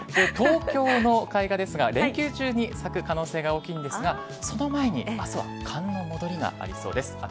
東京の開花ですが連休中に咲く可能性が大きいんですがその前に明日は寒の戻りがありそうです。